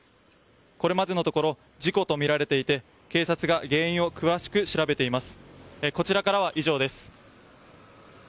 これまでのところ事故とみられていて警察が原因を詳しく調べています。